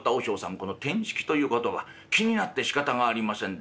この転失気という言葉気になってしかたがありませんで。